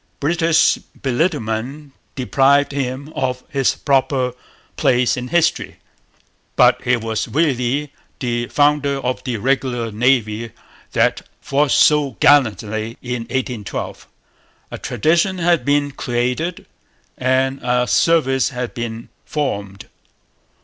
British belittlement deprived him of his proper place in history; but he was really the founder of the regular Navy that fought so gallantly in '1812.' A tradition had been created and a service had been formed.